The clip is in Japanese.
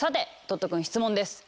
トットくん質問です。